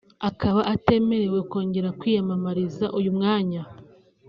akaba atemerewe kongera kwiyamamariza uyu mwanya